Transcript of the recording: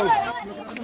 apakah dalam pilihan ini